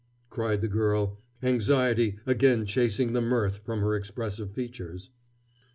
cried the girl, anxiety again chasing the mirth from her expressive features.